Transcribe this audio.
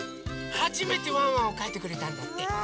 はじめてワンワンをかいてくれたんだって！